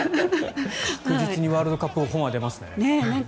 確実にワールドカップ本は出ますね。